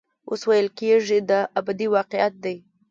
اوس ویل کېږي دا ابدي واقعیت دی.